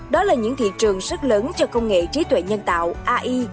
đó là những thị trường rất lớn cho công nghệ trí tuệ nhân tạo ai